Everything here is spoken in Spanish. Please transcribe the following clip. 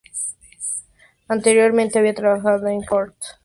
Anteriormente había trabajado en Chrysler y Ford.